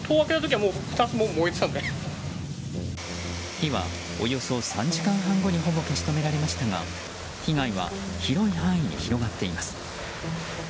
火は、およそ３時間半後にほぼ消し止められましたが被害は広い範囲に広がっています。